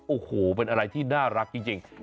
โอ้โหเป็นอะไรที่น่ารักจริง